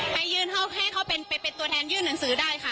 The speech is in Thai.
ไปยืนเข้าให้เขาเป็นเป็นตัวแทนยื่นหนังสือได้ค่ะ